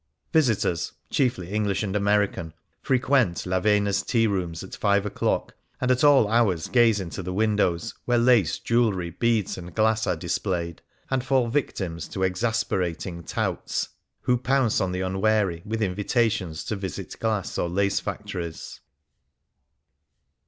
Visitors, chiefly English and American, frequent Lavena's tea rooms at five o'clock, and at all hours gaze into the windows where lace, jewellery, beads and glass are dis played, and fall victims to exasperating touts 54 m " Q O ^ 1'^ The Heart of Venice who pounce on the unwary with invitations to visit glass or lace factories.